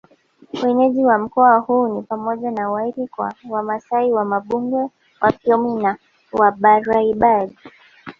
Wenyeji wa mkoa huu ni pamoja na Wairaqw Wamasai Wambugwe Wafyomi na Wabarbaig